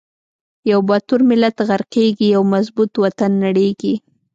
یو باتور ملت غر قیږی، یو مضبوط وطن نړیږی